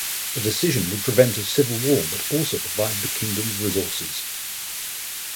This decision would prevent a civil war but also divide the kingdom's resources.